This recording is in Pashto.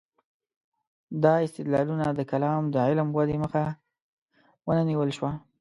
دا استدلالونه د کلام د علم ودې مخه ونه نیول شوه.